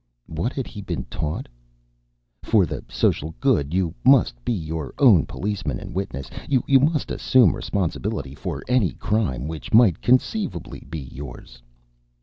What had he been taught? _For the social good, you must be your own policeman and witness. You must assume responsibility for any crime which might conceivably be yours.